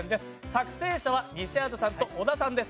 作成者は西畑さんと小田さんです。